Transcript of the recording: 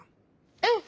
うん！